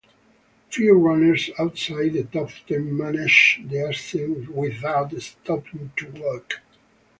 Few runners outside the top ten manage the ascent without stopping to walk.